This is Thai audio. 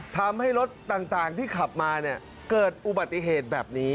ทำให้รถต่างที่ขับมาเกิดอุบัติเหตุแบบนี้